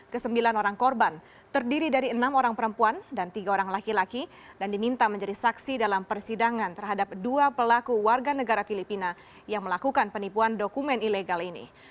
kesembilan orang korban terdiri dari enam orang perempuan dan tiga orang laki laki dan diminta menjadi saksi dalam persidangan terhadap dua pelaku warga negara filipina yang melakukan penipuan dokumen ilegal ini